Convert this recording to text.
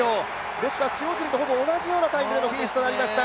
ですから塩尻とほぼ同じようなタイムのフィニッシュになりました。